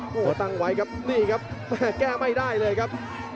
โอ้โหตั้งไว้ครับนี่ครับแก้ไม่ได้เลยครับ